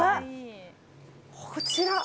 こちら。